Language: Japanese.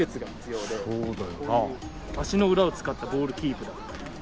こういう足の裏を使ったボールキープだったり。